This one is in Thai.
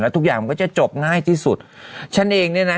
ทุกอย่างมันก็จะจบง่ายที่สุดฉันเองเนี่ยนะ